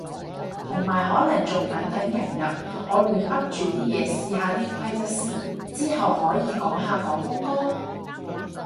同埋可能仲等緊人入，我亂噏住啲嘢試下啲規則先。之後可以講下廣東歌？